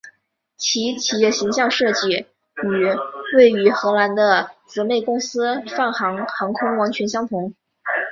其企业形象设计与位于荷兰的姊妹公司泛航航空完全相同。